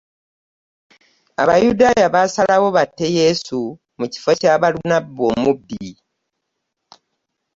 Abayudaaya baasalawo batte Yesu mu kifo kya Bbalunabba omubbi.